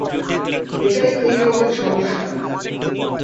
এটাই এই রোগের সমস্যা।